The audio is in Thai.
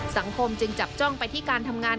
สังคมจึงจับจ้องไปที่การทำงาน